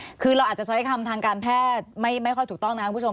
คือเราอาจจะใช้คำทางการแพทย์ไม่ค่อยถูกต้องนะครับคุณผู้ชม